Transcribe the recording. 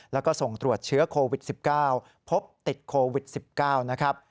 แล้วก็ส่งตรวจเชื้อโควิด๑๙พบติดโควิด๑๙นะครับ